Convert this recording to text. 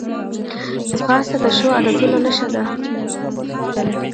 ځغاسته د ښو عادتونو نښه ده